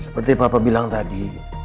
seperti apa papa bilang tadi